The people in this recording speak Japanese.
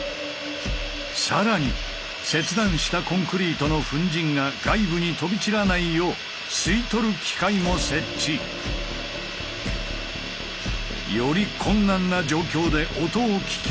更に切断したコンクリートの粉じんが外部に飛び散らないよう吸い取る機械も設置。より困難な状況で音を聞き分けなければならない。